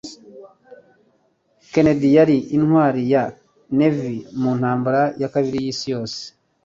Kennedy yari intwari ya Navy mu Ntambara ya Kabiri y'Isi Yose.